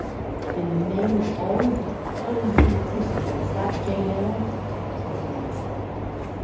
"In the name of all the elves in Christendom, is that Jane Eyre?" he demanded.